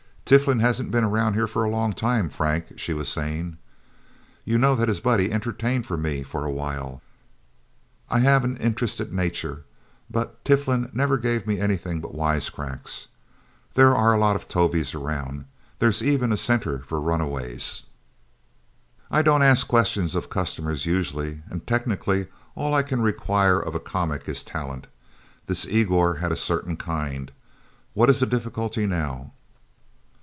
"Tiflin hasn't been around here for a long time, Frank," she was saying. "You know that his buddy entertained for me for a while. I have an interested nature, but Tiflin never gave me anything but wisecracks. There are lots of Tovies around there's even a center for runaways. I don't ask questions of customers usually. And technically, all I can require of a comic is talent. This Igor had a certain kind. What is the difficulty now?"